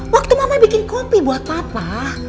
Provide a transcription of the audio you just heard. waktu mama bikin kopi buat papa